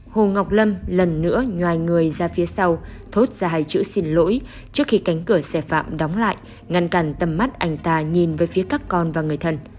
hồ ngọc lâm lần nữa nhoài người ra phía sau thốt ra hai chữ xin lỗi trước khi cánh cửa xe phạm đóng lại ngăn cằn tầm mắt anh ta nhìn với phía các con và người thân